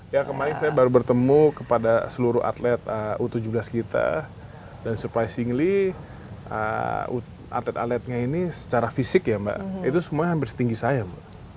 ya kemarin saya baru bertemu kepada seluruh atlet u tujuh belas kita dan surprisingly atlet atletnya ini secara fisik ya mbak itu semua hampir setinggi saya mbak